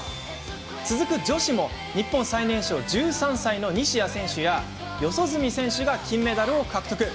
続く女子も日本最年少１３歳の西矢選手や四十住選手が金メダルを獲得。